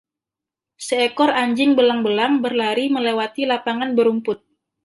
Seekor anjing belang-belang berlari melewati lapangan berumput.